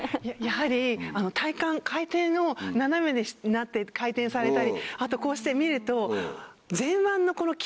やはり体幹回転の斜めになって回転されたりあとこうして見ると。